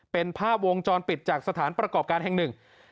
เป็นภาพวงจรปิดจากสถานประกอบการแห่งหนึ่ง